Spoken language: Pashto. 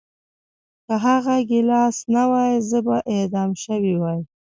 که هغه ګیلاس نه وای زه به اعدام شوی وای